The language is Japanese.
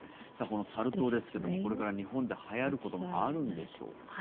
このサル痘ですけどもこれから日本ではやることもあるんでしょうか。